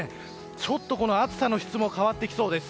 ちょっと暑さの質も変わってきそうです。